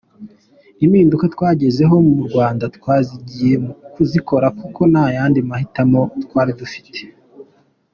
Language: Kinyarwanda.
Impinduka twagezeho mu Rwanda twazigiye mu kuzikora kuko nta yandi mahitamo twari dufite .